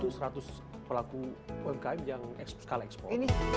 untuk seratus pelaku umkm yang sekali ekspor